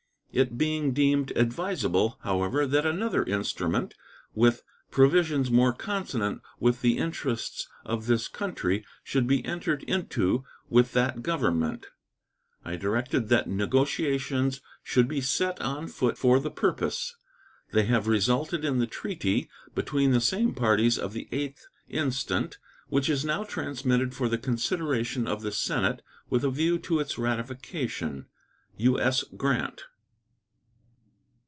It being deemed advisable, however, that another instrument, with provisions more consonant with the interests of this country, should be entered into with that Government, I directed that negotiations should be set on foot for the purpose. They have resulted in the treaty between the same parties of the 8th instant, which is now transmitted for the consideration of the Senate with a view to its ratification. U.S. GRANT.